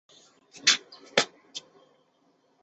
双黑带尖胸沫蝉为尖胸沫蝉科尖胸沫蝉属下的一个种。